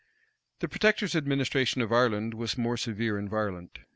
The protector's administration of Ireland was more severe and violent.